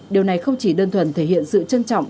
điều này không chỉ đơn thuần thể hiện sự trân trọng